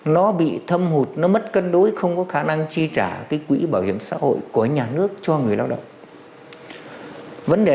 nó bị thâm hụt nó mất cân đối không có khả năng chi trả cái quỹ bảo hiểm xã hội của nhà nước cho người lao động